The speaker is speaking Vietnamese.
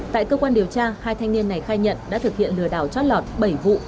tại cơ quan điều tra hai thanh niên này khai nhận đã thực hiện lừa đảo chót lọt bảy vụ